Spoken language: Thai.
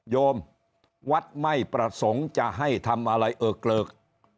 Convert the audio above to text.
โยมวัดไม่ประสงค์จะให้ทำอะไรเออเกลิก